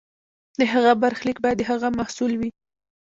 د هغه برخلیک باید د هغه محصول وي.